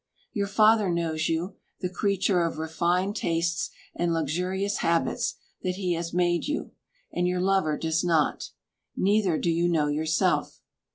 Your father knows you, the creature of refined tastes and luxurious habits that he has made you, and your lover does not. Neither do you know yourself.